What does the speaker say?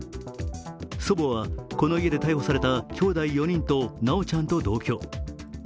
祖母はこの家で逮捕されたきょうだい４人と修ちゃんと同居。